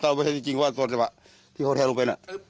แต่ไม่เห็นจริงว่าตัวน้ำที่เขาแท้ลงไปน่ะ